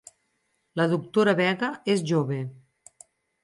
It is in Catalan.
La doctora Vega és jove.